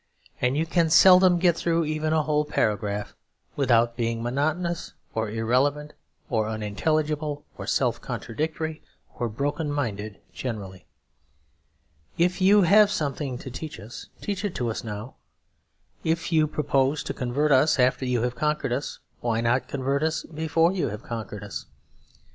And you can seldom get through even a whole paragraph without being monotonous, or irrelevant, or unintelligible, or self contradictory, or broken minded generally. If you have something to teach us, teach it to us now. If you propose to convert us after you have conquered us, why not convert us before you have conquered us?